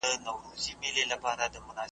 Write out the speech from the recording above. د هیچا د پوهېدلو او هضمولو وړ نه دي .